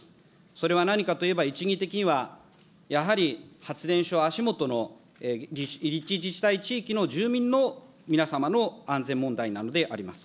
それは何かといえば、一義的には、やはり発電所足下の立地自治体地域の住民の皆様の安全問題なのであります。